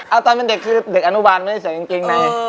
เอาตอนเป็นเด็กคือเด็กอนุบาลไม่ได้ใส่กางเกงใน